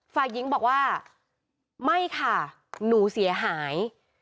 ฝ่ายหญิงบอกว่าไม่ค่ะหนูเสียหาย